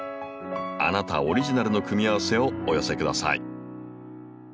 あなたオリジナルの組み合わせをお寄せください。